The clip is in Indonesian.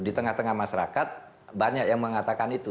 di tengah tengah masyarakat banyak yang mengatakan itu